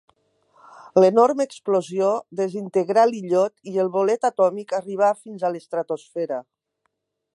L'enorme explosió desintegrà l'illot i el bolet atòmic arribà fins a l'estratosfera.